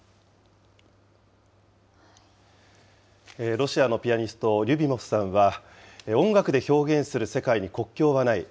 ロシアのピアニスト、リュビモフさんは、音楽で表現する世界に国境はない。